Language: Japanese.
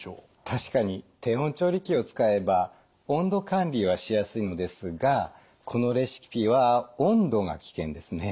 確かに低温調理器を使えば温度管理はしやすいのですがこのレシピは温度が危険ですね。